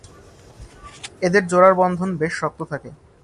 এদের জোড়ার বন্ধন বেশ শক্ত থাকে।